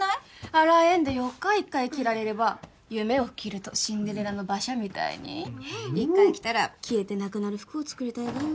洗えんでよか一回着られれば夢を着るとシンデレラの馬車みたいに一回着たら消えてなくなる服を作りたいがよ